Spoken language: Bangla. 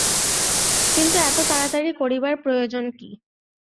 কিন্তু এত তাড়াতাড়ি করিবার প্রয়োজন কী?